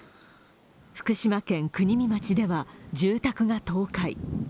福島県国見町では住宅が倒壊。